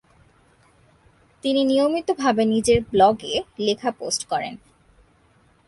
তিনি নিয়মিতভাবে নিজের ব্লগে লেখা পোস্ট করেন।